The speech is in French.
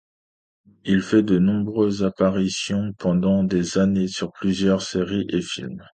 Il fait de nombreuses apparitions pendant des années sur plusieurs séries et films.